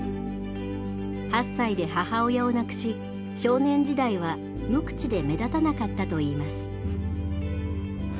８歳で母親を亡くし少年時代は無口で目立たなかったといいます。